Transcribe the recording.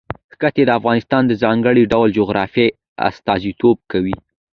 ښتې د افغانستان د ځانګړي ډول جغرافیه استازیتوب کوي.